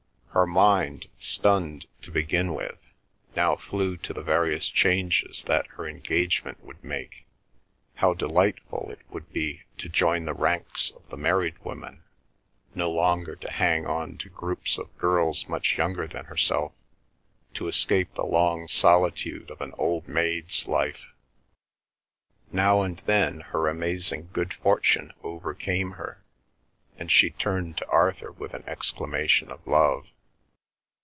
Her mind, stunned to begin with, now flew to the various changes that her engagement would make—how delightful it would be to join the ranks of the married women—no longer to hang on to groups of girls much younger than herself—to escape the long solitude of an old maid's life. Now and then her amazing good fortune overcame her, and she turned to Arthur with an exclamation of love.